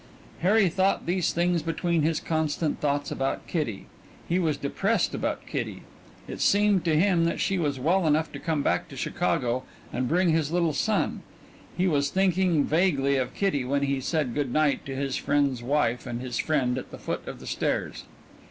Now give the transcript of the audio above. Harry thought these things between his constant thoughts about Kitty. He was depressed about Kitty. It seemed to him that she was well enough to come back to Chicago and bring his little son. He was thinking vaguely of Kitty when he said good night to his friend's wife and his friend at the foot of the stairs.